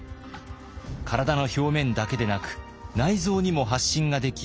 体の表面だけでなく内臓にも発疹ができ